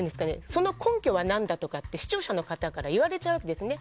その根拠は何だとか視聴者の方から言われちゃうんですね。